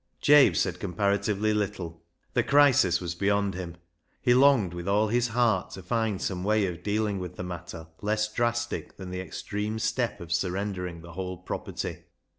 Jabe said comparatively little. The crisis was beyond him. He longed with all his heart to find some way of dealing with the matter less drastic than the extreme step of surrender ing the whole property.